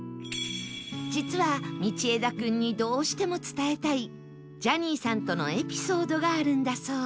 実は道枝君にどうしても伝えたいジャニーさんとのエピソードがあるんだそう